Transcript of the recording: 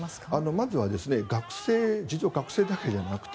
まずは実は学生だけじゃなくて